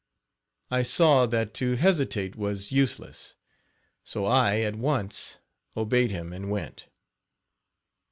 I saw that to hesitate was useless; so I at once obeyed him and went.